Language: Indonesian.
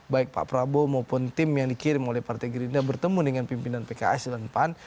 baik pak prabowo maupun tim yang dikirim oleh partai gerindra bertemu dengan pimpinan pks dan pan